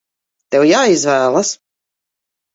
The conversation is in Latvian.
Tev jāizvēlas!